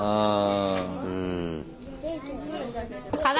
うん。